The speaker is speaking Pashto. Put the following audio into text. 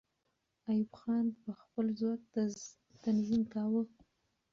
ایوب خان به خپل ځواک تنظیم کاوه.